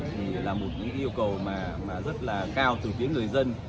thì là một yêu cầu mà rất là cao từ phía người dân